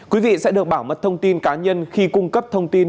quý vị sẽ được bảo mật thông tin cá nhân khi cung cấp thông tin